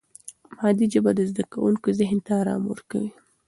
مادي ژبه د زده کوونکي ذهن ته آرام ورکوي.